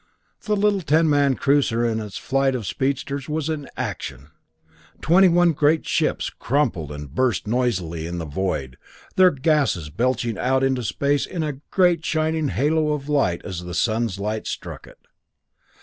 The little ten man cruiser and its flight of speedsters was in action! Twenty one great ships crumpled and burst noiselessly in the void, their gases belching out into space in a great shining halo of light as the sun's light struck it.